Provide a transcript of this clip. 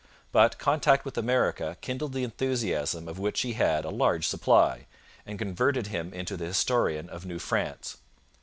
But contact with America kindled the enthusiasm of which he had a large supply, and converted him into the historian of New France.